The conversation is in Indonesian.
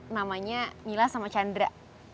namanya mila sama chandra